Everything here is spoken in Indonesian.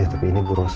ya tapi ini bu rosa